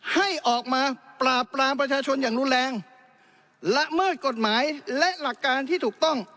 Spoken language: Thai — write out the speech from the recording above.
ให้ออกมาปราบปรามประชาชนอย่างรุนแรงละเมิดกฎหมายและหลักการที่ถูกต้อง